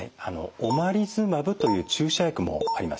オマリズマブという注射薬もあります。